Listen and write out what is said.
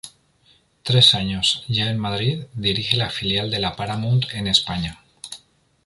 Tres años, ya en Madrid, dirige la filial de la Paramount en España.